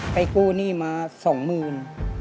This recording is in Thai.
กู้หนี้มาสองหมื่น